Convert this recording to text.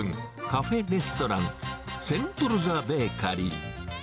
カフェレストラン、セントルザ・ベーカリー。